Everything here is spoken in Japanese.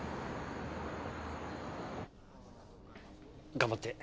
頑張って！